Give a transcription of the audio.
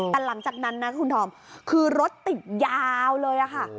แต่หลังจากนั้นนะคุณธอมคือรถติดยาวเลยค่ะ